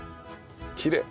きれい。